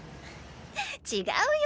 違うよ